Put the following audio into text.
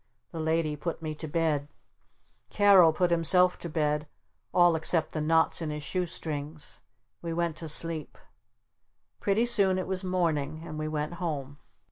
The Lady put me to bed. Carol put himself to bed all except the knots in his shoestrings. We went to sleep. Pretty soon it was morning. And we went home.